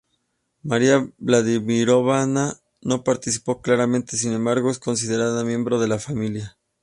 María Vladímirovna no participó claramente, sin embargo, es considerada miembro de la familia.